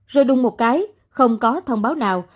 rồi đung một cái không có thông báo nào